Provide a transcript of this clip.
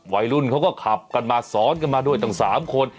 วัยรุ่นเขาก็ขับกันมาซ้อนกันมาด้วยตั้ง๓คน